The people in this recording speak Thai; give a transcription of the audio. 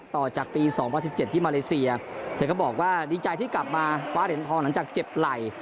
ต่อจากปี๒๐๑๗ที่มาเลเซียเธอก็บอกว่าดีใจที่กลับมาคว้าเหรียญทองหลังจากเจ็บไหล่